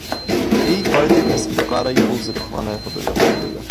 Její kvality dnes dokládají pouze dochované fotografie.